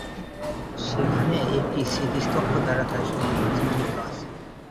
সেখানে একটি স্মৃতিস্তম্ভ দ্বারা তার সমাধি চিহ্নিত আছে।